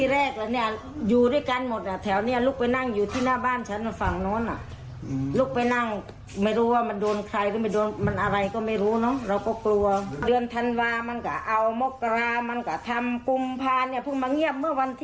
โรคภัยไข้เจ็บมันกำเริบครับ